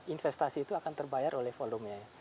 investasi itu akan terbayar oleh volumenya